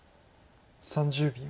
３０秒。